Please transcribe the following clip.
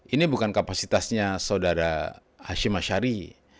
ini bukan kapasitasnya saudara hashim ashari